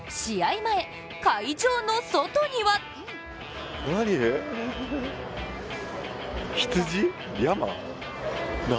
前、会場の外には何？